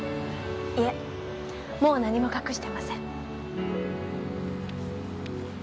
いえもう何も隠していません。